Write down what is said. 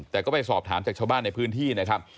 แต่ก็ไปสอบถามจากชาวบ้านในพื้นที่นะครับ